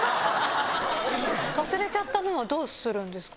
忘れちゃった分はどうするんですか？